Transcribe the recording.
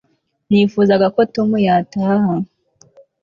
nifuzaga ko tom yataha